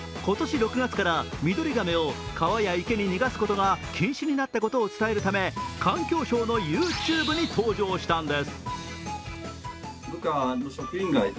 今年６月からミドリガメを川や池に放つことが禁止になったことを伝えるため環境省のＹｏｕＴｕｂｅに登場したんです